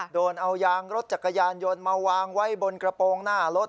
โดนเอายางรถจักรยานยนต์มาวางไว้บนกระโปรงหน้ารถ